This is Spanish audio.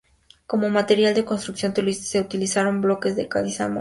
Como material de construcción se utilizaron bloques de caliza almohadillados.